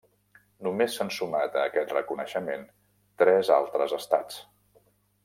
Només s'han sumat a aquest reconeixement tres altres estats: